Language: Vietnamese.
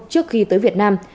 trước khi tới việt nam